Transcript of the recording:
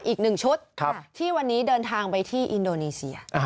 อีกหนึ่งชุดที่วันนี้เดินทางไปที่อินโดนีเซีย